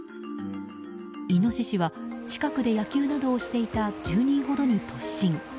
イノシシは近くで野球などをしていた１０人ほどに突進。